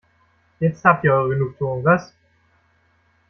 Jetzt habt ihr eure Genugtuung, was?